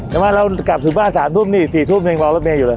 แต่ว่าเรากลับถึงบ้านสามทุ่มนี่สี่ทุ่มเองบอกว่ามีอยู่เลย